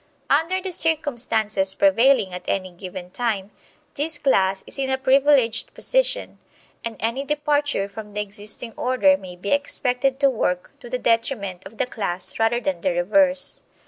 Under the circumstances prevailing at any given time this class is in a privileged position, and any departure from the existing order may be expected to work to the detriment of the class rather than the reverse.